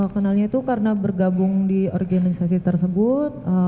kenalnya itu karena bergabung di organisasi tersebut